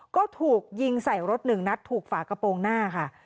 ก็ถูกยิงใส่รถหนึ่งนัดถูกฝากระโปรงหน้าค่ะ